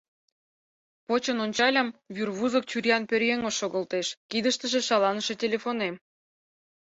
Почын ончальым — вӱрвузык чуриян пӧръеҥ шогылтеш, кидыштыже шаланыше телефонем.